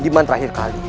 dimana terakhir kali